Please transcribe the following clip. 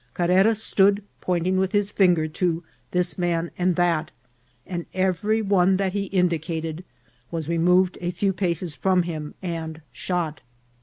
Carrera stood pointing with his finger to this man and that, and every one that he indicated was removed a few paces from him and shot.